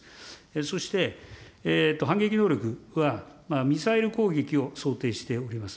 そして反撃能力はミサイル攻撃を想定しております。